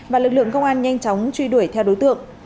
và lực lượng công an nhanh chóng truy đuổi theo đối tượng